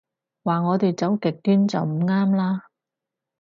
話我哋走極端就唔啱啦